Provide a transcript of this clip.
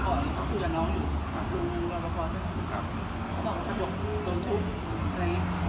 ก็ถ้าตอนเช้ามา